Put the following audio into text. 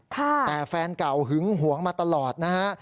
แต่แฟนเก่าหึงหวงมาตลอดนะฮะ